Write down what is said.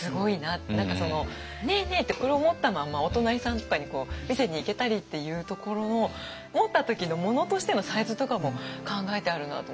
何か「ねえねえ」ってこれを持ったまんまお隣さんとかに見せに行けたりっていうところの持った時の物としてのサイズとかも考えてあるなと思ってすごいと。